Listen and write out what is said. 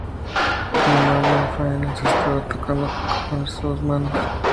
Como no había faena se estaba tocando los cojones a dos manos